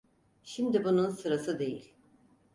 Şimdi bunun sırası değil.